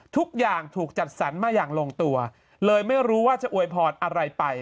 ทุกอย่างถูกจัดสรรมาอย่างลงตัวเลยไม่รู้ว่าจะอวยพรอะไรไป